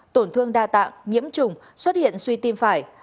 tổn thương đa tạng nhiễm trùng xuất hiện suy tim phải